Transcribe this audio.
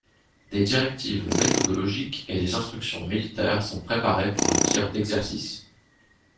Des directives méthodologiques et des instructions militaires sont préparées pour le tir d'exercice.